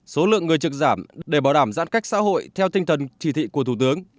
số lượng người trực giảm để bảo đảm giãn cách xã hội theo tinh thần chỉ thị của thủ tướng